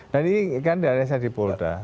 nah ini kan dari sdi polda